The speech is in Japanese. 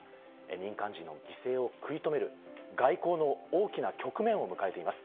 民間人の犠牲を食い止める外交の大きな局面を迎えています。